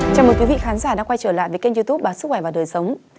chào mừng quý vị khán giả đã quay trở lại với kênh youtube bản sức khỏe và đời sống